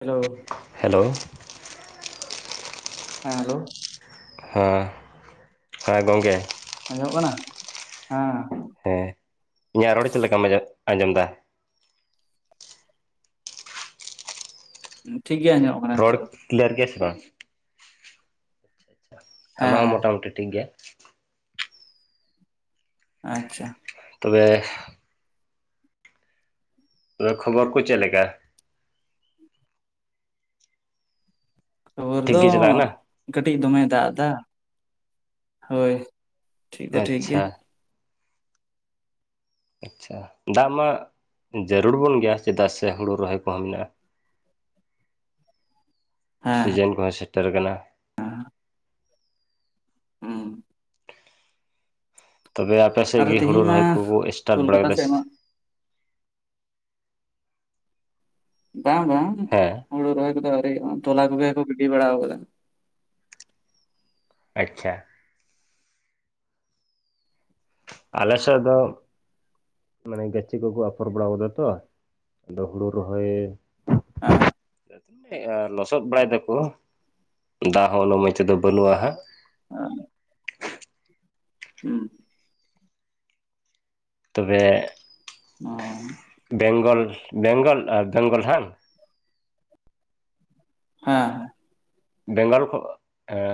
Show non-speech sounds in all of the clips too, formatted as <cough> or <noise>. Hello. Hello. ᱦᱮᱸ hello. ᱦᱮᱸ ᱦᱮᱸ ᱜᱚᱝᱠᱮ, ᱟᱸᱡᱚ ᱢᱚᱜ ᱠᱟᱱᱟ ᱦᱮᱸ, ᱦᱮᱸ ᱤᱧᱟᱹᱜ ᱨᱚᱲ ᱪᱮᱫ ᱞᱮᱠᱟᱢ ᱟᱸᱡᱚᱢ ᱮᱫᱟ, ᱴᱷᱤᱠ ᱜᱮ ᱟᱸᱡᱚᱢᱚᱜ, ᱠᱟᱱᱟ ᱱᱤᱛᱚᱜ ᱨᱚᱲ ᱫᱚ ᱠᱤᱞᱭᱟᱨ ᱜᱮᱭᱟ ᱥᱮ ᱵᱟᱝ, ᱦᱮᱸ ᱟᱢᱟᱜ ᱦᱚᱸ ᱦᱮᱸ ᱢᱚᱴᱟ ᱢᱩᱴᱤ ᱴᱷᱤᱠ ᱜᱮᱭᱟ, ᱟᱪᱪᱷᱟ, ᱛᱚᱵᱮ ᱠᱷᱚᱵᱚᱨ ᱠᱚ ᱪᱮᱫ ᱞᱮᱠᱟ, ᱠᱷᱚᱵᱚᱨ ᱴᱷᱤᱠ ᱫᱚ ᱜᱮ ᱪᱟᱞᱟᱜ ᱠᱟᱱᱟ ᱠᱟᱹᱴᱤᱡ ᱫᱚᱢᱮ ᱫᱟᱜ ᱫᱟ ᱦᱳᱭ, ᱴᱷᱤᱠ ᱫᱚ ᱴᱷᱤᱠ ᱜᱮᱭᱟ, ᱟᱪᱪᱷᱟ ᱟᱪᱪᱷᱟ ᱫᱟᱜ ᱢᱟ, ᱡᱟᱹᱨᱩᱲ ᱵᱚᱱ ᱜᱮ ᱭᱟ ᱪᱮᱫᱟᱜ ᱥᱮ ᱦᱩᱲᱩ ᱨᱚᱦᱚᱭ ᱠᱚ ᱦᱚᱸ ᱢᱮᱱᱟᱜᱼᱟ, <unintelligible> ᱥᱤᱡᱮᱱ ᱠᱚ ᱦᱚᱸ ᱥᱮᱴᱮᱨ ᱠᱟᱱᱟ, <inaudible> ᱦᱩᱸ ᱛᱚᱵᱮ ᱟᱯᱮ ᱥᱮᱜ ᱟᱨ ᱜᱤ ᱦᱳᱲᱳ ᱛᱮᱦᱤᱧ ᱢᱟ ᱨᱚᱦᱚᱭ ᱠᱚ ᱮᱥᱴᱟᱴ ᱵᱟᱲᱟ ᱠᱳᱞᱠᱟᱛᱟ ᱠᱮᱫᱟ ᱥᱮᱫ ᱥᱮ ᱢᱟ ᱪᱮᱫ, ᱵᱟᱝ ᱵᱟᱝ ᱦᱮᱸ ᱦᱩᱲᱳ ᱨᱚᱦᱚᱭ ᱠᱚ ᱟᱹᱣᱨᱤ ᱦᱳᱭᱳᱜᱼᱟ ᱛᱚᱞᱟ ᱠᱚᱜᱮ ᱠᱚ ᱵᱟᱲᱟ ᱠᱟᱫᱟ, ᱟᱪᱪᱷᱟ, ᱟᱞᱮ ᱥᱮᱜ ᱫᱚ, ᱢᱟᱱᱮ ᱜᱟᱹᱪᱷᱤ ᱠᱚᱠᱚ ᱟᱯᱷᱚᱨ ᱵᱟᱲᱟᱣ ᱠᱟᱫᱟ ᱛᱚ ᱟᱫᱚ ᱦᱩᱲᱩ ᱨᱚᱦᱚᱭ, ᱦᱟᱸ ᱦᱮᱸ ᱞᱚᱥᱚᱫ ᱵᱟᱲᱟᱭ ᱫᱟᱠᱚ ᱫᱟᱜ ᱦᱚᱸ ᱩᱱᱟᱹᱜ ᱢᱚᱡ ᱛᱮᱫᱚ ᱵᱟᱹᱱᱩᱜᱼᱟ ᱦᱟᱸᱜ, ᱟᱸ ᱦᱩᱸ ᱛᱚᱵᱮ, ᱚᱸ ᱵᱮᱝᱜᱚᱞ ᱵᱮᱝᱜᱚᱞ ᱟᱨ ᱵᱮᱝᱜᱚᱞ ᱦᱟᱸᱝ ᱦᱮᱸ ᱵᱮᱝᱜᱚᱞ ᱠᱷᱚ ᱮᱸ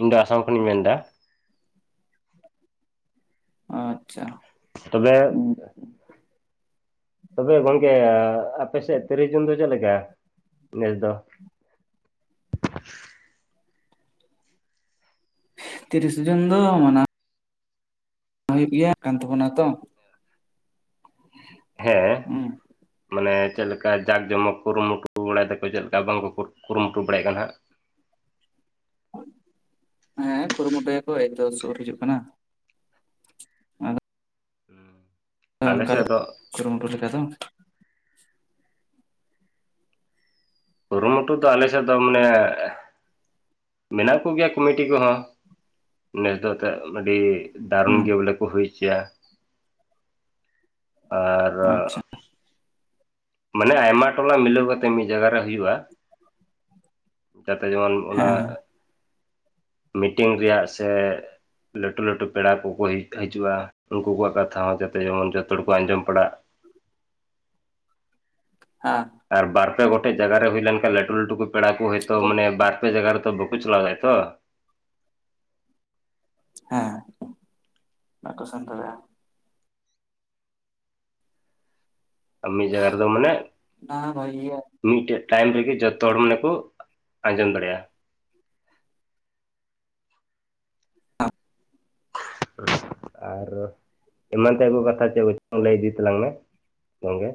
ᱤᱧ ᱫᱚ ᱟᱥᱟᱢ ᱠᱷᱚᱱᱤᱧ ᱢᱮᱱ ᱫᱟ, ᱟᱪᱪᱷᱟ, ᱛᱚᱵᱮ, ᱛᱚᱵᱮ ᱜᱚᱢᱠᱮ ᱟᱯᱮᱥᱮᱫ ᱛᱤᱨᱤᱥ ᱡᱩᱱ ᱫᱚ ᱪᱮᱫ ᱞᱮᱠᱟ ᱱᱮᱥ ᱫᱚ, ᱛᱤᱨᱤᱥ ᱡᱩᱱ ᱫᱚ ᱢᱟᱱᱟᱣ ᱦᱩᱭᱩᱜ ᱜᱤᱭᱟ ᱠᱟᱱ ᱛᱟᱵᱚᱱᱟ ᱛᱚ, <inaudible> ᱦᱮᱸ ᱦᱩᱸ ᱢᱟᱱᱮ ᱪᱮᱫ ᱞᱮᱠᱟ ᱡᱟᱠ ᱡᱚᱢᱚᱠ ᱠᱩᱨᱩᱢᱩᱴᱩ ᱵᱟᱲᱟᱭ ᱫᱟᱠᱚ ᱪᱮᱫ ᱞᱮᱠᱟ ᱵᱟᱝᱠᱚ ᱠᱩᱨᱩᱢᱩᱴᱩ ᱵᱟᱲᱟᱭᱮᱫ ᱠᱟᱱᱟ ᱦᱟᱸᱜ, ᱦᱮᱸ ᱠᱩᱨᱩᱢᱩᱴᱩᱭᱟᱠᱚ ᱮᱠᱫᱚ ᱥᱳᱨ ᱦᱤᱡᱩᱜ ᱠᱟᱱᱟ, ᱟᱫᱚ, ᱟᱞᱮ ᱚᱱᱠᱟ ᱥᱮᱫ ᱞᱮᱠᱟ ᱫᱚ ᱠᱩᱨᱩᱢᱩᱴᱩ ᱞᱮᱠᱟ ᱫᱚ, ᱠᱩᱨᱩᱢᱩᱴᱩ ᱫᱚ ᱟᱞᱮ ᱥᱮᱜ ᱫᱚ ᱢᱟᱱᱮ, ᱢᱮᱱᱟᱜ ᱠᱚᱜᱮᱭᱟ ᱠᱩᱢᱤᱴᱤ ᱠᱚᱦᱚᱸ, ᱱᱮᱥ ᱫᱚ ᱮᱛᱷᱮ ᱟᱹᱰᱤ ᱫᱟᱨᱩᱱ ᱦᱩᱸ ᱜᱮ ᱵᱚᱞᱮ ᱠᱚ ᱦᱩᱭ ᱦᱚᱪᱚᱭᱟ, ᱟᱻᱨᱟ ᱟᱪᱪᱷᱟ ᱢᱟᱱᱮ ᱟᱭᱢᱟ ᱴᱚᱞᱟ ᱢᱤᱞᱟᱹᱣ ᱠᱟᱛᱮ ᱢᱤᱫ ᱡᱟᱭᱜᱟ ᱨᱮ ᱦᱤᱭᱩᱜ-ᱟ᱾ ᱡᱟᱛᱮ ᱡᱮᱢᱚᱱ ᱦᱮᱸ ᱚᱱᱟ, ᱦᱮᱸ ᱢᱤᱴᱤᱝ ᱨᱮᱭᱟᱜ ᱥᱮᱼᱼ ᱞᱟᱹᱴᱩ-ᱞᱟᱹᱴᱩ ᱯᱮᱲᱟ ᱠᱚᱠᱚ ᱦᱟᱹᱡᱩᱜ-ᱟ ᱩᱱᱠᱩ ᱠᱚᱣᱟᱜ ᱠᱟᱛᱷᱟ ᱦᱚᱸ ᱡᱟᱛᱮ ᱡᱮᱢᱚᱱ ᱡᱚᱛᱚ ᱦᱚᱲ ᱠᱚ ᱟᱸᱡᱚᱢ ᱯᱟᱲᱟᱜᱼᱼ ᱟᱸ ᱟᱨ ᱵᱟᱨ ᱯᱮ ᱜᱚᱴᱮᱡ ᱡᱟᱭᱜᱟ ᱨᱮ ᱦᱩᱭ ᱞᱮᱱᱠᱷᱟᱱ ᱞᱟᱹᱴᱩ ᱞᱟᱹᱴᱩ ᱠᱚ ᱯᱮᱲᱟ ᱠᱚ ᱦᱚᱭᱛᱳ ᱟᱸᱡᱚᱢᱚᱜ ᱢᱟᱱᱮ ᱠᱟᱱᱟ᱾ ᱵᱟᱨᱼᱼ <unintelligible> ᱡᱟᱭᱜᱟ ᱨᱮᱛᱚ ᱵᱟᱹᱠᱩ ᱪᱟᱞᱟᱣ ᱫᱟᱲᱮᱭᱟᱜ-ᱟ ᱛᱚᱼᱼ ᱦᱮᱸ ᱵᱟᱠᱚ ᱥᱟᱵ ᱫᱟᱲᱮᱭᱟᱜ-ᱟ᱾ ᱟᱨ ᱢᱤᱫ ᱡᱟᱭᱜᱟ ᱨᱮᱫᱚ ᱢᱟᱱᱮᱼᱼ ᱚᱱᱟ ᱵᱷᱟᱜᱤ ᱜᱮᱭᱟ ᱢᱤᱫᱴᱮᱡ ᱴᱟᱭᱤᱢ ᱨᱤᱜᱮ ᱡᱚᱛᱚ ᱦᱚᱲ ᱢᱟᱱᱮ ᱠᱚ ᱟᱸᱡᱚᱢ ᱫᱟᱲᱮᱭᱟᱜ-ᱟ᱾ ᱦᱟᱸ ᱟᱨ ᱮᱢᱟᱱ ᱛᱮᱭᱟᱜ ᱠᱚ ᱠᱟᱛᱷᱟ ᱪᱮᱜ ᱞᱟᱹᱭ ᱤᱫᱤ ᱛᱟᱞᱟᱝ ᱢᱮᱼᱼ ᱜᱚᱝᱠᱮ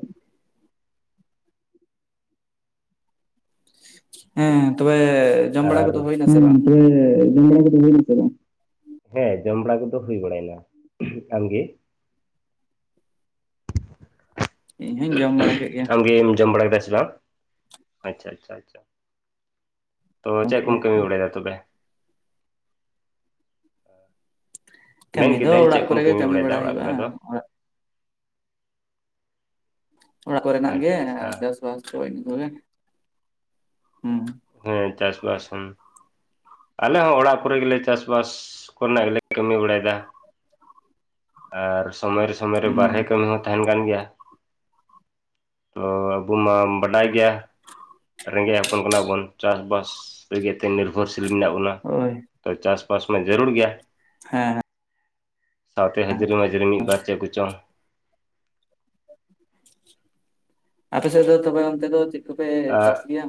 ᱦᱮᱸ ᱛᱚᱵᱮᱼᱼ ᱟᱨ ᱦᱮᱸ ᱡᱮᱼᱼ <unintelligible> ᱦᱮᱸ ᱡᱚᱢ ᱵᱟᱲᱟ ᱠᱚᱫᱚ ᱦᱩᱭ ᱵᱟᱲᱟᱭᱮᱱᱟ, ᱟᱢᱜᱮᱼᱼ ᱤᱧ ᱦᱚᱧ ᱡᱚᱢ ᱵᱟᱲᱟ ᱠᱮᱫ ᱜᱮᱭᱟ ᱟᱢᱜᱮᱢ ᱡᱚᱢ ᱵᱟᱲᱟ ᱠᱮᱫᱟ ᱥᱮ ᱵᱟᱝ? ᱟᱪᱪᱷᱟ-ᱟᱪᱪᱷᱟ-ᱟᱪᱪᱷᱟ ᱛᱚ ᱪᱮᱜ ᱠᱮᱜᱼᱟ᱾ ᱠᱚᱢ ᱠᱟᱹᱢᱤ ᱵᱟᱲᱟᱭᱮᱫᱟ ᱛᱚᱵᱮ? ᱠᱟᱹᱢᱤ ᱢᱮᱱ ᱫᱚ ᱠᱤᱫᱟᱹᱧ ᱚᱲᱟᱜ ᱪᱮᱫ ᱠᱚᱨᱮ ᱠᱚᱢ ᱜᱮ ᱠᱟᱹᱢᱤ ᱵᱟᱲᱟᱭᱮᱫᱟ ᱵᱟᱲᱟ ᱚᱲᱟᱜ ᱦᱳᱭᱳᱜ-ᱟ, ᱠᱚᱨᱮ ᱫᱚ ᱚᱲᱟᱜᱼᱼ ᱚᱲᱟᱜ ᱠᱚᱨᱮᱱᱟᱜ ᱜᱮ ᱟᱪᱪᱷᱟ ᱪᱟᱥ-ᱵᱟᱥ ᱠᱚᱜᱮ <unintelligible> ᱦᱩᱸ ᱩᱸ ᱪᱟᱥ-ᱵᱟᱥ ᱦᱩᱸ ᱟᱞᱮ ᱦᱚᱸ ᱚᱲᱟᱜ ᱠᱚᱨᱮ ᱜᱮᱞᱮ ᱪᱟ-ᱵᱟᱥ ᱠᱚᱨᱮᱱᱟᱜ ᱜᱮᱞᱮ ᱠᱟᱹᱢᱤ ᱵᱟᱲᱟᱭᱮᱫᱟ, ᱟᱨ ᱥᱚᱢᱚᱭ ᱨᱮ ᱥᱚᱢᱚᱭ ᱨᱮ ᱵᱟᱨᱦᱮ ᱦᱩᱸ ᱠᱟᱹᱢᱤ ᱦᱚᱸ ᱛᱟᱦᱮᱸᱱ ᱠᱟᱱ ᱜᱮᱭᱟ᱾ ᱛᱚ ᱟᱵᱚ ᱢᱟᱢ ᱵᱟᱰᱟᱭ ᱜᱮᱭᱟ, ᱨᱮᱸᱜᱮᱡᱽ ᱦᱚᱯᱚᱱ ᱠᱟᱱᱟ ᱵᱚᱱ ᱪᱟᱥ-ᱵᱟᱥ ᱞᱟᱹᱜᱤᱫ ᱛᱮ ᱱᱤᱨᱵᱷᱚᱨᱥᱤᱞ ᱢᱮᱱᱟᱜ ᱵᱚᱱᱟ, ᱦᱳᱭ ᱛᱚ ᱪᱟᱥ-ᱵᱟᱥ ᱢᱟ ᱡᱟᱹᱨᱩᱲ ᱜᱮᱭᱟ᱾ ᱦᱮᱸ-ᱦᱮᱸ ᱥᱟᱸᱣᱛᱮ ᱦᱟᱹᱡᱨᱤ-ᱢᱟᱹᱡᱨᱤ ᱢᱤᱫ ᱵᱟᱨ ᱪᱮᱜ ᱠᱚᱪᱚᱝᱼᱼ ᱟᱯᱮ ᱥᱮᱫ ᱫᱚ ᱛᱚᱵᱮ ᱚᱱᱛᱮ ᱫᱚ ᱪᱮᱫ ᱠᱚᱯᱮ ᱪᱟᱥ ᱜᱮᱭᱟ?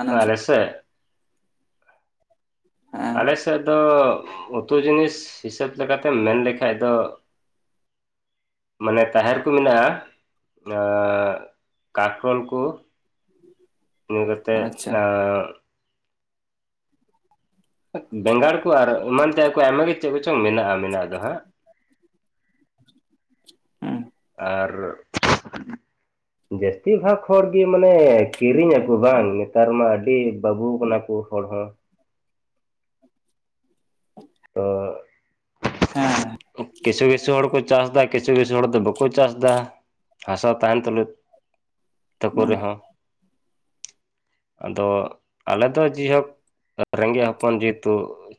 ᱟᱱᱟᱡ ᱟᱞᱮ ᱥᱮᱜ, ᱦᱮᱸ ᱟᱞᱮᱥᱮᱫ ᱫᱚ ᱩᱛᱩ ᱡᱤᱱᱤᱥ ᱦᱤᱥᱟᱹᱵ ᱞᱮᱠᱟᱛᱮᱢ ᱢᱮᱱ ᱞᱮᱠᱷᱟᱡ ᱫᱚᱼᱼ ᱢᱟᱱᱮ ᱛᱟᱦᱮ ᱠᱚ ᱢᱮᱱᱟᱜ-ᱟ, ᱟᱸ ᱠᱟᱨᱠᱳᱞ ᱠᱩᱼᱼ <unintelligible> ᱠᱟᱛᱮᱜ ᱟᱪᱪᱷᱟ ᱟᱸᱻ ᱵᱮᱸᱜᱟᱲ ᱠᱚ ᱟᱨ ᱮᱢᱟᱱ ᱛᱮᱭᱟᱜ ᱠᱚ ᱟᱭᱢᱟ ᱜᱮ ᱪᱮᱫ ᱠᱚᱪᱚᱝ ᱢᱮᱱᱟᱜ-ᱟ ᱢᱮᱱᱟᱜ ᱫᱚ ᱦᱟᱸᱜ, ᱩᱸ ᱟᱨᱼᱼ <inaudible> ᱡᱟᱹᱥᱛᱤ ᱵᱷᱟᱠ ᱦᱚᱲ ᱜᱮ ᱢᱟᱱᱮ ᱠᱤᱨᱤᱧ ᱟᱜᱩ ᱦᱮᱸ ᱵᱟᱝ ᱱᱮᱛᱟᱨ ᱢᱟ ᱟᱹᱰᱤ ᱵᱟᱹᱵᱩ ᱠᱟᱱᱟ ᱠᱚ ᱦᱚᱲ ᱦᱚᱸᱼᱼ ᱛᱚ ᱦᱮᱸ ᱠᱤᱪᱷᱩ-ᱠᱤᱪᱷᱩ ᱦᱚᱲ ᱠᱚ ᱪᱟᱥ ᱫᱟ ᱠᱤᱪᱷᱩ-ᱠᱤᱪᱷᱩ ᱦᱚᱲ ᱫᱚ ᱵᱟᱠᱚ ᱪᱟᱥ ᱫᱟ᱾ ᱦᱟᱥᱟ ᱛᱟᱦᱮᱸᱱ ᱛᱩᱞᱩᱡ, ᱛᱟᱠᱚ ᱨᱮᱦᱚᱸᱼᱼ ᱟᱫᱚ ᱟᱞᱮ ᱫᱚ ᱡᱮ ᱦᱳᱠᱼᱼ <unintelligible> ᱨᱚᱸᱝᱜᱮᱜ ᱦᱚᱯᱚᱱ ᱡᱮᱦᱮᱛᱩ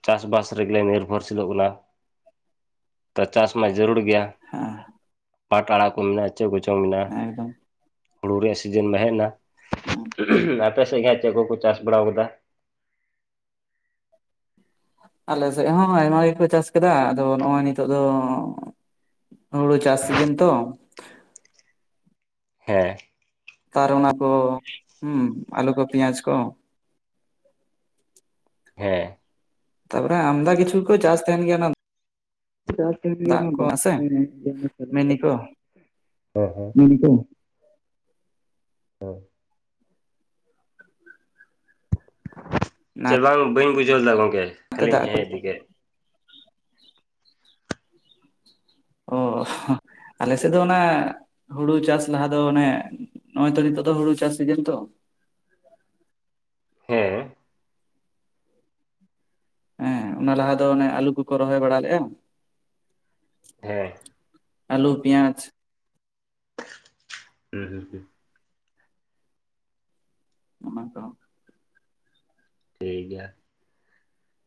ᱪᱟᱥ-ᱵᱟᱥᱼᱼ ᱨᱮᱜᱮ ᱞᱮ ᱱᱤᱨᱵᱷᱚᱨᱥᱤᱞᱚᱜ ᱠᱟᱱᱟ ᱛᱚ ᱪᱟᱥ ᱢᱟ ᱡᱟᱹᱨᱩᱲ ᱜᱮᱭᱟ᱾ ᱦᱮᱸ ᱯᱟᱴ ᱟᱲᱟᱜ ᱠᱚ ᱢᱮᱱᱟᱜ-ᱟ ᱪᱮᱫ ᱠᱚᱪᱚᱝ ᱢᱮᱱᱟᱜ-ᱟ ᱮᱠᱫᱚᱢ ᱦᱩᱲᱩ ᱨᱮᱭᱟᱜ ᱥᱤᱡᱤᱱ ᱢᱟ ᱦᱮᱡ ᱱᱟ, ᱦᱮᱸ ᱟᱯᱮ ᱥᱮᱜ-ᱜᱮ ᱦᱟᱸᱜ ᱪᱮᱫ ᱠᱚᱠᱚ ᱪᱟᱥ ᱵᱟᱲᱟᱣ ᱠᱟᱫᱟ? ᱟᱞᱮᱥᱮᱫ ᱦᱚᱸ ᱟᱭᱢᱟ ᱜᱮᱠᱚ ᱪᱟᱥ ᱠᱟᱫᱟ ᱟᱫᱚ ᱱᱚᱜ-ᱚᱭ ᱱᱤᱛᱚᱜ ᱫᱚ ᱦᱩᱲᱩ ᱪᱟᱥ ᱥᱤᱡᱤᱱ ᱛᱚ ᱦᱮᱸ᱾ ᱠᱟᱨ ᱚᱱᱟ ᱠᱚ ᱦᱩᱸ ᱟᱞᱩ ᱠᱚ ᱯᱮᱸᱭᱟᱡ ᱠᱚ, ᱦᱮᱸ᱾ ᱛᱟᱦᱞᱮ ᱟᱢᱫᱟ ᱠᱤᱪᱷᱩ ᱠᱚ ᱪᱟᱥ ᱛᱟᱦᱮᱸᱱ ᱜᱮᱭᱟ ᱚᱱᱟ ᱫᱟᱜ ᱠᱚ <inaudible> ᱥᱮ ᱦᱮᱸ ᱢᱤᱱᱤ ᱠᱚ ᱦᱮᱸ <inaudible> <inaudible> ᱪᱮᱫ ᱚᱱᱟᱛᱮ ᱵᱟᱝ ᱵᱟᱹᱧ ᱵᱩᱡᱷᱟᱹᱣ ᱞᱮᱫᱟ ᱜᱚᱝᱠᱮ ᱠᱷᱟᱹᱞᱤᱧ ᱫᱟᱜ ᱠᱚ ᱦᱮᱸ ᱤᱫᱤ ᱠᱮᱜ᱾ ᱚᱼᱦᱚ ᱟᱞᱮ ᱥᱮᱫ ᱫᱚ ᱚᱱᱟ ᱦᱩᱲᱩ ᱪᱟᱥ ᱞᱟᱦᱟ ᱫᱚ ᱚᱱᱮ ᱱᱚᱜ-ᱚᱭ ᱛᱚ ᱱᱤᱛᱚᱜ ᱫᱚ ᱦᱩᱲᱩ ᱪᱟᱥ ᱥᱤᱡᱮᱱ ᱛᱚ, ᱦᱮᱸ᱾ ᱦᱮᱸ ᱚᱱᱟ ᱞᱟᱦᱟ ᱫᱚ ᱚᱱᱮ ᱟᱞᱩ ᱠᱚᱠᱚ ᱨᱚᱦᱚᱭ ᱵᱟᱲᱟ ᱞᱮᱜᱼᱟ ᱦᱮᱸ᱾ ᱟᱞᱩ, ᱯᱤᱭᱟᱸᱪ ᱦᱩᱸ ᱦᱩᱸ ᱦᱩᱸ᱾ ᱚᱱᱟ ᱠᱚᱦᱚᱸ ᱴᱷᱤᱠ ᱜᱮᱭᱟ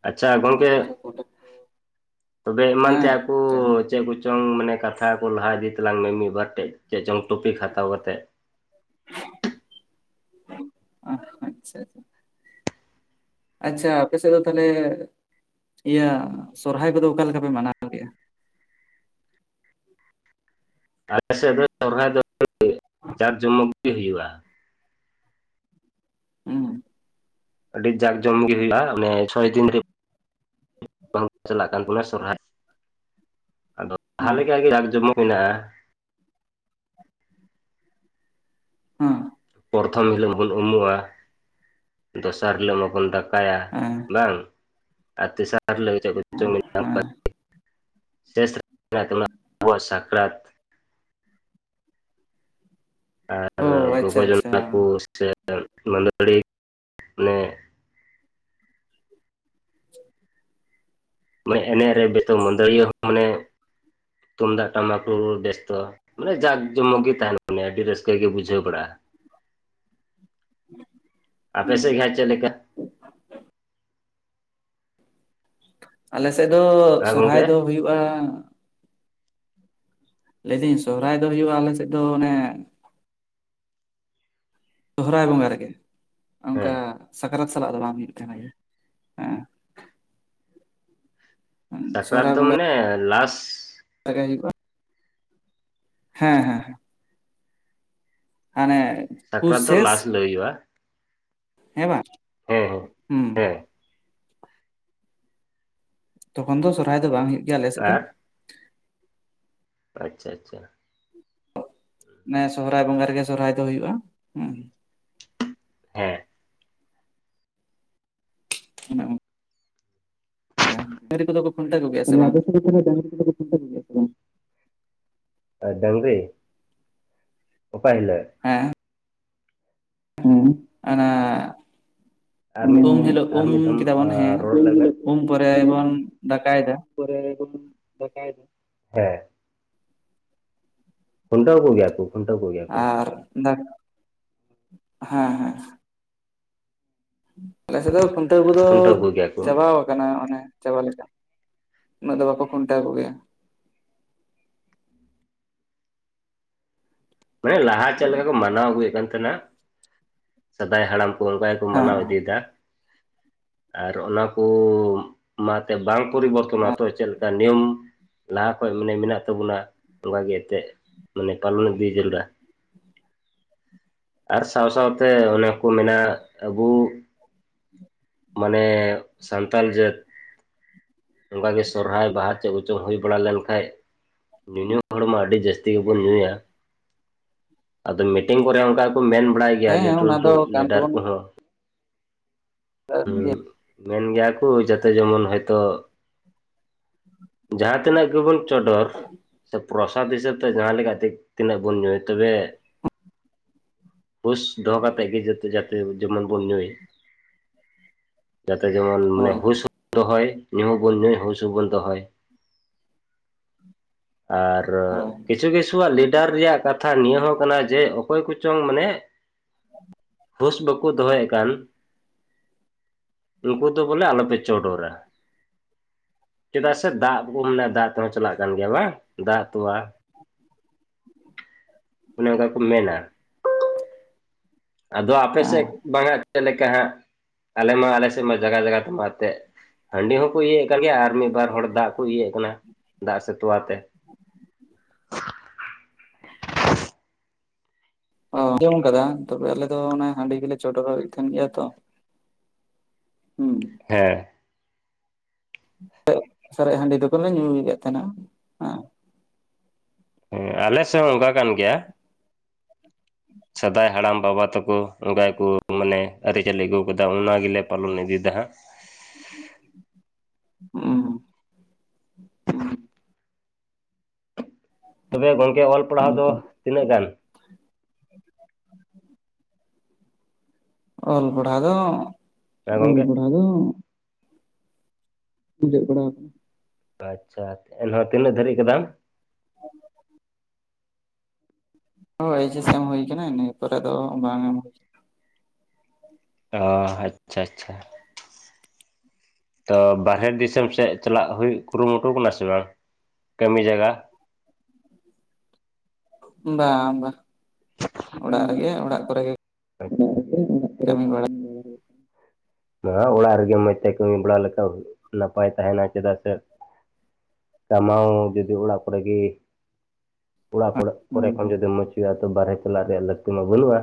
ᱟᱪᱪᱷᱟ ᱜᱚᱝ ᱛᱵᱮᱜ ᱟᱨ ᱯᱚᱴᱚᱞ ᱠᱚ ᱛᱚᱵᱮ ᱮᱢᱟᱱ ᱦᱮᱸ ᱛᱮᱭᱟᱜ ᱠᱩ ᱪᱮᱫ ᱠᱩ ᱪᱚᱝ ᱢᱟᱱᱮ ᱠᱟᱛᱷᱟ ᱠᱚ ᱞᱟᱦᱟ ᱤᱫᱤ ᱛᱟᱞᱟᱝ ᱢᱮ ᱢᱤᱫ ᱵᱟᱨ ᱴᱮᱡ ᱪᱮᱫ ᱪᱚᱝ ᱴᱚᱯᱤᱠ ᱦᱟᱛᱟᱣ ᱠᱟᱛᱮᱜ ᱟᱸᱜ ᱟᱪᱪᱷᱟ᱾ ᱟᱪᱪᱷᱟ ᱟᱯᱮᱥᱮᱫ ᱫᱚ ᱛᱟᱦᱚᱞᱮ ᱤᱭᱟᱹ ᱥᱚᱨᱦᱟᱭ ᱠᱚᱫᱚ ᱚᱠᱟ ᱞᱮᱠᱟ ᱯᱮ ᱢᱟᱱᱟᱣᱟ? ᱟᱞᱮ ᱥᱮᱫ ᱫᱚ ᱥᱚᱨᱦᱟᱭ ᱫᱚ ᱡᱟᱠᱡᱚᱢᱚᱠ ᱜᱮ ᱦᱩᱭᱩᱜᱼᱟ᱾ ᱩᱸ᱾ ᱟᱹᱰᱤ ᱡᱟᱠ ᱡᱚᱢᱚᱠ ᱜᱮ ᱦᱩᱭᱩᱜᱼᱟ, ᱢᱟᱱᱮ ᱪᱷᱚᱭ ᱫᱤᱱ ᱨᱮ ᱵᱟᱝ ᱪᱟᱞᱟᱜ ᱠᱟᱱ ᱵᱚᱱᱟ ᱥᱚᱨᱦᱟᱭ ᱟᱫᱚ ᱞᱟᱦᱟ ᱦᱮᱸ ᱞᱮᱠᱟ ᱜᱮ ᱡᱟᱠ ᱡᱚᱢᱚᱠ ᱢᱮᱱᱟᱜᱼᱟ᱾ ᱦᱚᱸ᱾ ᱯᱨᱚᱛᱷᱚᱢ ᱦᱤᱞᱳᱜ ᱵᱚᱱ ᱩᱢᱩᱜᱼᱟ ᱫᱚᱥᱟᱨ ᱦᱤᱞᱳᱜ ᱢᱟᱵᱚᱱ ᱫᱟ ᱠᱟᱭᱟ ᱦᱮᱸ ᱵᱟᱝ? ᱟᱨ ᱛᱮᱥᱟᱨ ᱦᱤᱞᱳᱜ ᱪᱮᱫ ᱠᱚᱪᱚᱝ ᱦᱮᱸ <unintelligible> ᱥᱮᱥ <unintelligible> ᱨᱮ ᱟᱵᱩᱣᱟᱜ ᱥᱟᱠᱨᱟᱛ ᱟᱨ ᱚ ᱜᱚᱜᱚ ᱟᱪᱪᱷᱟ ᱟᱪᱪᱷᱟ ᱡᱚᱱᱟ ᱠᱩ ᱥᱮ ᱢᱟᱹᱫᱟᱹᱲᱤ ᱢᱟᱱᱮ ᱢᱟᱱᱮ ᱮᱱᱮᱡ ᱨᱮᱜᱮ ᱛᱚ ᱢᱟᱹᱫᱟᱹᱲᱤᱭᱟᱹ ᱦᱚᱸ ᱢᱟᱱᱮ ᱛᱩᱢᱫᱟᱜ ᱴᱟᱢᱟᱠ ᱨᱩ ᱵᱮᱥ ᱛᱚ ᱢᱟᱱᱮ ᱡᱟᱠ ᱡᱚᱢᱚᱠ ᱜᱮ ᱛᱟᱦᱮᱸᱱᱟ ᱢᱟᱱᱮ ᱟᱹᱰᱤ ᱨᱟᱹᱥᱠᱟᱹ ᱜᱮ ᱵᱩᱡᱷᱟᱹᱣ ᱵᱟᱲᱟᱜᱼᱟ᱾ ᱟᱯᱮ ᱦᱮᱸ ᱥᱮ ᱜᱮ ᱦᱟᱸᱜ ᱪᱮᱫ ᱞᱮᱠᱟ? ᱟᱞᱮ ᱥᱮᱫ ᱫᱚ ᱦᱮᱸ ᱥᱚᱨᱦᱟᱭ ᱜᱚᱝᱠᱮ ᱫᱚ ᱦᱩᱭᱩᱜᱼᱟ ᱞᱟᱹᱭᱫᱟᱹᱧ ᱥᱚᱦᱚᱨᱟᱭ ᱫᱚ ᱦᱩᱭᱩᱜᱼᱟ ᱟᱞᱮ ᱥᱮᱫ ᱫᱚ ᱚᱱᱮ ᱥᱚᱦᱚᱨᱟᱭ ᱵᱚᱸᱜᱟ ᱨᱮᱜᱮ ᱚᱝᱠᱟ ᱦᱮᱸ ᱥᱟᱠᱨᱟᱛ ᱥᱟᱞᱟᱜ ᱫᱚ ᱵᱟᱝ ᱦᱩᱭᱩᱜ ᱛᱟᱦᱮᱸᱱᱟ ᱮᱸ᱾ ᱦᱮᱸ ᱥᱟᱠᱨᱟᱛ ᱥᱚᱦᱨᱟᱭ ᱫᱚ ᱵᱚᱸᱜᱟ ᱢᱟᱱᱮ ᱞᱟᱥ <inaudible> ᱦᱮᱸ ᱦᱮᱸ᱾ ᱦᱟᱸᱱᱮ ᱥᱟᱠᱨᱟᱛ ᱫᱚ ᱞᱟᱥ ᱨᱮ ᱦᱩᱭᱩᱜᱼᱟ᱾ ᱦᱮᱸ ᱵᱟᱝ ᱦᱮᱸ ᱦᱮᱸ ᱦᱩᱸ᱾ ᱦᱮᱸ ᱛᱚᱠᱷᱚᱱ ᱫᱚ ᱥᱚᱨᱦᱟᱭ ᱫᱚ ᱵᱟᱝ ᱦᱳᱭᱳᱜ ᱜᱮᱭᱟ ᱟᱞᱮᱥᱮᱫ ᱫᱚ, ᱟᱨ ᱟᱪᱪᱷᱟ ᱟᱪᱪᱷᱟ, ᱱᱮ ᱥᱚᱦᱨᱟᱭ ᱵᱚᱸᱜᱟ ᱨᱮᱜᱮ ᱥᱚᱨᱦᱟᱭ ᱫᱚ ᱦᱩᱭᱩᱜᱼᱟ ᱦᱮᱸ, ᱦᱮᱸ ᱚᱱᱮ ᱚᱸ- ᱰᱟᱝᱨᱤ ᱠᱚᱫᱚ ᱠᱚ ᱠᱷᱩᱱᱴᱟᱹᱣ ᱠᱚᱜᱮᱭᱟ ᱥᱮ ᱵᱟᱝ, ᱦᱮᱸ ᱰᱟᱝᱨᱤ ᱠᱚᱫᱚ ᱠᱚ ᱠᱷᱩᱱᱴᱟᱹᱣ ᱠᱚᱜᱮᱭᱟ ᱥᱮ ᱵᱟᱝ, ᱰᱟᱝᱨᱤ ᱚᱠᱟᱦᱤᱞᱟᱹᱜ, ᱦᱮᱸ ᱦᱩᱸ ᱟᱱᱟ, ᱢᱤᱫ ᱩᱢ ᱦᱤᱞᱳᱜ ᱟᱨ ᱩᱢ ᱢᱤᱫ ᱫᱷᱟᱣ ᱠᱮᱫᱟᱵᱚᱱ ᱦᱮᱸ ᱨᱚᱲ ᱞᱮᱵᱮᱱ ᱩᱢ ᱯᱚᱨᱮ ᱵᱚᱱ ᱫᱟᱠᱟᱭᱮᱫᱟ, ᱠᱚᱨᱮ ᱵᱚᱱ ᱫᱟᱠᱟᱭᱮᱫᱟ ᱦᱮᱸ ᱠᱷᱩᱱᱴᱟᱣ ᱠᱚᱜᱮᱭᱟ ᱠᱚ, ᱠᱷᱩᱱᱴᱟᱹᱣ ᱠᱚᱜᱮᱭᱟ ᱠᱚ ᱟᱨ ᱫᱟᱜ ᱦᱮᱸ ᱦᱮᱸ ᱟᱞᱮ ᱥᱮᱫ ᱫᱚ ᱠᱷᱩᱱᱴᱟᱹᱣ ᱠᱚᱫᱚ ᱠᱷᱩᱱᱴᱟᱹᱣ ᱠᱚᱜᱮᱭᱟ ᱠᱚ ᱪᱟᱵᱟ, ᱠᱟᱱᱟ ᱚᱱᱮ ᱪᱟᱵᱟ ᱞᱮᱠᱟ ᱩᱱᱟᱹᱜ ᱫᱚ ᱵᱟᱠᱚ ᱠᱷᱩᱱᱴᱟᱹᱣ ᱠᱚᱜᱮᱭᱟ, ᱢᱟᱱᱮ ᱞᱟᱦᱟ ᱪᱮᱫ ᱞᱮᱠᱟ ᱠᱚ ᱢᱟᱱᱟᱣ ᱟᱹᱜᱩᱭᱮᱫ ᱠᱟᱱ ᱛᱟᱦᱮᱸᱱᱟ ᱥᱮᱫᱟᱭ ᱦᱟᱲᱟᱢ ᱠᱚ ᱚᱱᱠᱟ ᱜᱮ ᱢᱟᱱᱟᱣ ᱤᱫᱤᱭᱮᱫᱟ ᱟᱨ ᱚᱱᱟ ᱠᱩᱻ ᱚᱱᱟᱛᱮ ᱵᱟᱝ ᱯᱚᱨᱤᱵᱚᱨᱛᱚᱱ ᱛᱚ ᱪᱮᱫ ᱞᱮᱠᱟ ᱱᱤᱭᱚᱢ, ᱞᱟᱦᱟ ᱠᱷᱚᱡ ᱢᱟᱱᱮ ᱢᱮᱱᱟᱜ ᱛᱟᱵᱚᱱᱟ ᱚᱱᱠᱟ ᱜᱮ ᱮᱱᱛᱮᱫ ᱢᱟᱱᱮ ᱯᱟᱞᱚᱱ ᱤᱫᱤ, ᱡᱮᱞ ᱫᱟ ᱟᱨ ᱥᱟᱶ ᱥᱟᱶᱛᱮ ᱚᱱᱮ ᱠᱚ ᱢᱮᱱᱟ ᱟᱵᱩ ᱢᱟᱱᱮ ᱥᱟᱱᱛᱟᱞ ᱡᱟᱹᱛ ᱚᱱᱠᱟᱟᱜ ᱜᱮ ᱥᱚᱨᱦᱦᱟᱭ ᱵᱟᱦᱟ ᱪᱮᱫ ᱠᱚᱪᱚᱝ ᱦᱩᱭ ᱵᱟᱲᱟ ᱞᱮᱱᱠᱟᱱ, ᱧᱩ ᱧᱩ ᱦᱚᱲ ᱢᱟ ᱟᱹᱰᱤ ᱡᱟᱹᱥᱛᱤ ᱜᱮᱵᱚᱱ ᱧᱩᱭᱟ, ᱟᱫᱚ ᱢᱤᱴᱤᱝ ᱠᱚᱨᱮ ᱚᱱᱠᱟ ᱜᱮ ᱠᱚ ᱢᱮᱱ ᱵᱟᱲᱟᱭ ᱜᱮᱭᱟ ᱦᱮᱸ ᱦᱮᱸ ᱞᱟᱹᱴᱩ ᱚᱱᱟ ᱞᱟᱹᱴᱩ ᱫᱚ ᱠᱟᱱ ᱞᱤᱰᱟᱨ ᱛᱟᱵᱚᱱ ᱠᱚᱦᱚᱸ ᱦᱮᱸ ᱜᱮᱭᱟ ᱢᱮᱱ ᱜᱮᱭᱟ ᱠᱚ ᱡᱟᱛᱮ ᱡᱮᱢᱚᱱ ᱦᱚᱳᱭᱛᱳ, ᱡᱟᱦᱟᱸ ᱛᱤᱱᱟᱹᱜ ᱜᱮᱵᱚᱱ ᱥᱮ ᱪᱨᱚᱥᱟᱫ ᱦᱤᱥᱟᱹᱵ ᱛᱮ ᱡᱟᱦᱟᱸ ᱞᱮᱠᱟᱛᱮ, ᱛᱤᱱᱟᱹᱜ ᱵᱚᱱ ᱧᱩᱭᱭᱟ ᱛᱚᱵᱮ ᱯᱩᱥ ᱫᱚᱦᱚ ᱠᱟᱛᱮ ᱜᱮ ᱡᱚᱛᱚ ᱡᱟ ᱡᱮᱢᱚᱱ ᱵᱚᱱ ᱧᱩᱭ ᱡᱟᱛᱮ ᱡᱮᱢᱚᱱ ᱢᱟᱱᱮ ᱦᱳᱭ ᱦᱩᱥ ᱦᱚᱸ ᱫᱚᱦᱚᱭ ᱧᱩ ᱵᱚᱱ ᱧᱩᱭ ᱦᱩᱥᱩ ᱵᱚᱱ ᱫᱚᱦᱚᱭ ᱟᱨ, ᱟᱨ ᱦᱳᱭ ᱠᱤᱪᱷᱩ ᱠᱤᱪᱷᱩᱣᱟᱜ ᱞᱤᱰᱟᱨ ᱨᱮᱭᱟᱜ ᱠᱟᱛᱷᱟ ᱱᱤᱭᱟᱹ ᱦᱚᱸ ᱠᱟᱱᱟ ᱡᱮ ᱚᱠᱚᱭ ᱠᱚᱪᱚᱝ ᱢᱟᱱᱮ, <unintelligible> ᱜᱷᱩᱸᱥ ᱵᱟᱠᱩ ᱫᱚᱦᱚᱭᱮᱫ ᱠᱟᱱ, ᱩᱱᱠᱩ ᱫᱚ ᱵᱚᱞᱮ ᱟᱞᱚᱯᱮ ᱪᱚᱰᱚᱨᱟ, ᱪᱮᱫᱟᱜ ᱥᱮ ᱫᱟᱜ ᱠᱚ ᱢᱮᱱᱟᱜ ᱫᱟᱜ ᱛᱮᱦᱚᱸ ᱪᱟᱞᱟᱜ ᱠᱟᱱ ᱜᱮᱭᱟ ᱵᱟᱝ ᱫᱟᱜ ᱛᱚᱣᱟ, ᱚᱱᱮ ᱚᱱᱠᱟ ᱠᱚ ᱢᱮᱱᱟ, ᱟᱫᱚ ᱟᱯᱮ ᱦᱮᱸ ᱥᱮᱫ ᱵᱟᱝᱼᱟᱜ ᱟᱫᱚ ᱟᱯᱮ ᱥᱮᱫ ᱵᱟᱝ ᱟᱜ ᱪᱮᱫ ᱞᱮᱠᱟ ᱦᱟᱸᱜ ᱟᱞᱮ ᱢᱟ ᱟᱞᱮ ᱥᱮᱫ ᱢᱟ ᱡᱟᱭᱜᱟ ᱛᱮᱢᱟ ᱮᱱᱛᱮᱫ, ᱦᱟᱺᱰᱤ ᱦᱚᱸᱠᱚ ᱤᱭᱮᱫ ᱠᱟᱱ ᱦᱟᱺᱰᱤ ᱦᱚᱸᱠᱚ ᱧᱩᱭᱮᱫ ᱠᱟᱱ ᱜᱮᱭᱟ ᱟᱨ ᱢᱤᱫ ᱵᱟᱨ ᱦᱚᱲ ᱫᱟᱜ ᱠᱚ ᱤᱭᱮᱫ ᱠᱟᱱᱟ ᱫᱟᱜ ᱥᱮ ᱛᱚᱣᱟ ᱛᱮ, <unintelligible> ᱚ ᱟᱸᱡᱚᱢ ᱠᱟᱫᱟ ᱛᱚᱵᱮ ᱟᱞᱮ ᱫᱚ ᱚᱱᱟ ᱦᱟᱺᱰᱤ ᱜᱮᱞᱮ ᱪᱚᱰᱚᱨᱮᱫ ᱠᱟᱱ ᱜᱮᱭᱟ ᱛᱚ, ᱦᱩᱸ ᱦᱮᱸ ᱥᱟᱨᱮᱪ ᱦᱟᱺᱰᱤ ᱫᱚᱠᱚ ᱞᱮ ᱧᱩᱭᱮᱫ ᱛᱟᱸᱦᱮᱸᱱᱟ ᱦᱮᱸ ᱦᱮᱸ ᱟᱞᱮ ᱥᱮᱫ ᱦᱚᱸ ᱚᱱᱠᱟ ᱠᱟᱱ ᱜᱮᱭᱟ᱾ ᱥᱟᱫᱟᱭ ᱦᱟᱲᱟᱢ ᱵᱟᱵᱟ ᱛᱟᱠᱚ ᱚᱝᱠᱟ ᱜᱮᱠᱚ ᱢᱟᱱᱮ ᱟᱹᱨᱤᱪᱟᱹᱞᱤ ᱟᱹᱜᱩ ᱠᱟᱫᱟ ᱚᱱᱟ ᱜᱮ ᱜᱮᱞᱮ ᱯᱟᱞᱚᱱ ᱤᱫᱤᱫᱟ ᱦᱟᱸᱜ᱾ ᱦᱩᱸ᱾ ᱩᱸ᱾ ᱛᱚᱵᱮ ᱜᱚᱝᱠᱮ ᱚᱞ ᱯᱟᱲᱦᱟᱣ ᱫᱚ ᱛᱤᱱᱟᱹᱜ ᱜᱟᱱ? ᱚᱞ ᱯᱟᱲᱦᱟᱣ ᱫᱚ ᱦᱮᱸ ᱜᱚᱢᱠᱮ ᱚᱞᱚᱜ ᱯᱟᱲᱦᱟᱣ ᱫᱚ ᱟᱪᱪᱷᱟ ᱮᱱᱦᱚᱸ ᱛᱤᱱᱟᱹᱜ ᱫᱷᱟᱹᱨᱤᱪ ᱠᱟᱫᱟᱢ? <unintelligible> ᱦᱚ ᱮᱭᱤᱪ ᱮᱥ ᱮᱢ ᱦᱩᱭ ᱠᱟᱱᱟ ᱤᱱᱟᱹ ᱯᱚᱨᱮ ᱫᱚ ᱵᱟᱝᱼᱟ ᱮᱢ ᱦᱩᱭ ᱠᱟᱱᱟ᱾ ᱚ ᱟᱪᱪᱷᱟ ᱪᱷᱟ᱾ ᱛᱚ ᱵᱟᱦᱮᱨ ᱫᱤᱥᱚᱢ ᱥᱮᱫ ᱪᱟᱞᱟᱜ ᱦᱩᱭᱩᱜ ᱠᱩᱨᱩᱢᱩᱴᱩ ᱠᱟᱱᱟ ᱥᱮ ᱵᱟᱝ? ᱠᱟᱹᱢᱤ ᱡᱟᱜᱟ ᱵᱟᱝ ᱵᱟ᱾ ᱵᱟᱝ ᱵᱟᱝ ᱚᱲᱟᱜ ᱨᱮᱜᱮ ᱚᱲᱟᱜ ᱠᱚᱨᱮ ᱠᱟᱹᱢᱤ ᱵᱟᱲᱟ ᱦᱩᱭᱩᱜ ᱠᱟᱱᱟ᱾ ᱱᱚᱣᱟ ᱚᱲᱟᱜ ᱨᱮᱜᱮ ᱢᱚᱡ ᱛᱮ ᱠᱟᱹᱢᱤ ᱵᱟᱲᱟ ᱞᱮᱠᱟ ᱱᱟᱯᱟᱭ ᱛᱟᱸᱦᱮᱸᱱᱟ, ᱪᱮᱫᱟᱜ ᱥᱮ ᱠᱟᱢᱟᱣ ᱡᱩᱫᱤ ᱚᱲᱟᱜ ᱠᱚᱨᱮ ᱜᱤ ᱚᱲᱟᱜ ᱠᱚᱨᱮ ᱠᱷᱚᱱ ᱡᱩᱫᱤ ᱢᱩᱡ ᱦᱩᱭᱩᱜ -ᱟ ᱛᱚ ᱵᱟᱦᱨᱮ ᱪᱟᱞᱟᱜ ᱨᱮᱭᱟᱜ ᱞᱟᱹᱠᱛᱤ ᱢᱟ ᱵᱟᱹᱱᱩᱜ-ᱟ᱾